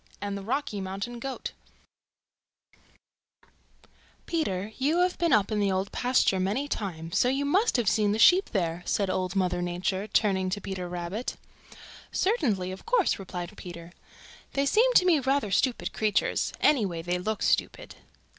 CHAPTER XXXVIII Two Wonderful Mountain Climbers "Peter, you have been up in the Old Pasture many times, so you must have seen the Sheep there," said Old Mother Nature, turning to Peter Rabbit. "Certainly. Of course," replied Peter. "They seem to me rather stupid creatures. Anyway they look stupid."